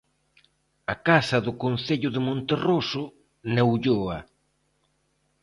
A Casa do Concello de Monterroso, na Ulloa.